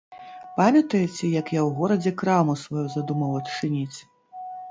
Памятаеце, як я ў горадзе краму сваю задумаў адчыніць?